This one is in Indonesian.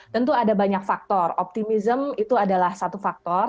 tentu ada banyak faktor optimisme itu adalah satu faktor